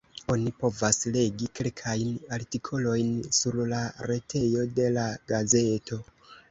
Oni povas legi kelkajn artikolojn sur la retejo de la gazeto.